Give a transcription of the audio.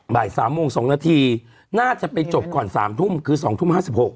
บ่าย๓โมง๒นาทีน่าจะไปจบก่อน๓ทุ่มคือ๒ทุ่ม๕๖